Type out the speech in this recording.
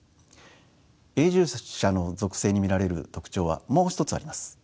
永住者の属性に見られる特徴はもう一つあります。